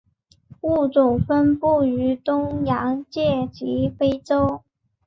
物种分布于东洋界及非洲。